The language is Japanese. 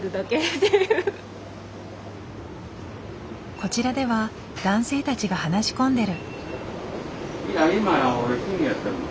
こちらでは男性たちが話し込んでる。